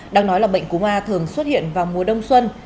đang nói là bệnh cúm a thường xuất hiện vào mùa đông xuân